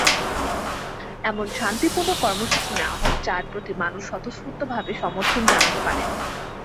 এমন শান্তিপূর্ণ কর্মসূচি নেওয়া হোক, যার প্রতি মানুষ স্বতঃস্ফূর্তভাবে সমর্থন জানাতে পারে।